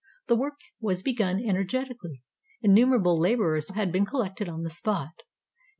The work was begun energetically; innumerable labor ers had been collected on the spot.